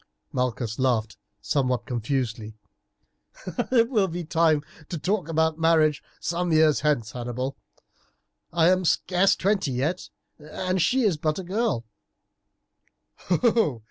Malchus laughed somewhat confusedly. "It will be time to talk about marriage some years hence, Hannibal; I am scarce twenty yet, and she is but a girl."